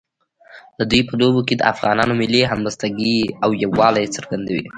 د دوی په لوبو کې د افغانانو ملي همبستګۍ او یووالي څرګندوي.